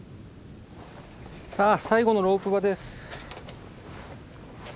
さあ最後のロープ場です。